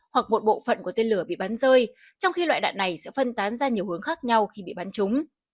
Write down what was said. hoặc một bộ phận của tên lửa bị bắn rơi trong khi loại đạn này sẽ phân tán ra nhiều hướng khác nhau khi bị bắn trúng